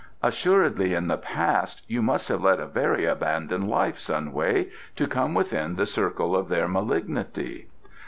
"Assuredly in the past you must have led a very abandoned life, Sun Wei, to come within the circle of their malignity."